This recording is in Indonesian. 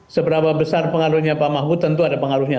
seberapa besar pengaruhnya pak mahfud tentu ada pengaruhnya